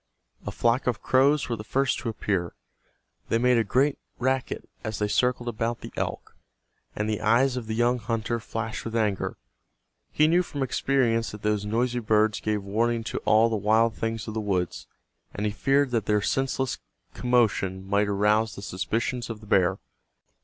A flock of crows were the first to appear. They made a great racket as they circled about the elk, and the eyes of the young hunter flashed with anger. He knew from experience that those noisy birds gave warning to all the wild things of the woods, and he feared that their senseless commotion might arouse the suspicions of the bear.